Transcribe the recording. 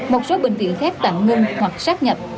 một số bệnh viện khác tạm ngưng hoặc sát nhập